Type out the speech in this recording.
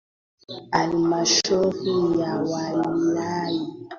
Halmashauri ya Wilaya Bariadi inapakana na Wilaya ya Busega kwa upande wa magharibi